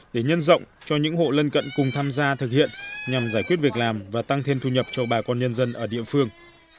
để nhân rộng cho những hộ lân cận cùng tham gia thực hiện nhằm giải quyết việc làm và tăng thêm thu nhập cho bà con nhân dân ở địa phương